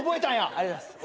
ありがとうございます。